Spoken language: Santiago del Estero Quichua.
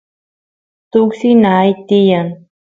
tuksi nay tiyan